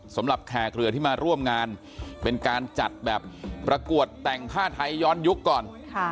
แขกเรือที่มาร่วมงานเป็นการจัดแบบประกวดแต่งผ้าไทยย้อนยุคก่อน